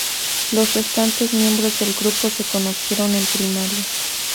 Los restantes miembros del grupo se conocieron en primaria.